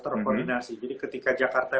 terkoordinasi jadi ketika jakarta